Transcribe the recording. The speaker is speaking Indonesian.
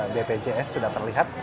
bpjs sudah terlihat